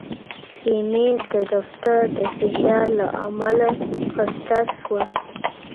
ایمي د دفتر د فشار له امله خسته شوه.